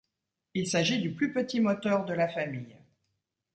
Il s'agit du plus petit moteur de la famille.